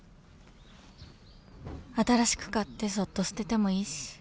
［新しく買ってそっと捨ててもいいし］